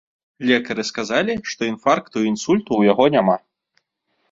Лекары сказалі, што інфаркту і інсульту ў яго няма.